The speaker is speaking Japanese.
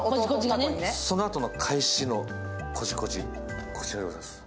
そのあとの返しのコジコジ、こちらでございます。